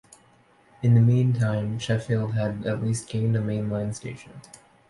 In the meantime Sheffield had at last gained a main-line station.